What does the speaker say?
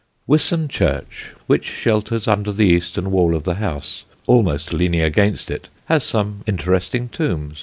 Wiston church, which shelters under the eastern wall of the house, almost leaning against it, has some interesting tombs.